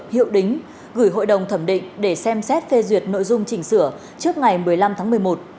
hiệu đính gửi hội đồng thẩm định để xem xét phê duyệt nội dung chỉnh sửa trước ngày một mươi năm tháng một mươi một